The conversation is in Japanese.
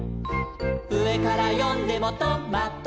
「うえからよんでもト・マ・ト」